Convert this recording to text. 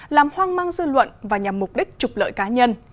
làm hoang mang dư luận và nhằm mục đích trục lợi cá nhân